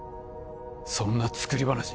そんな作り話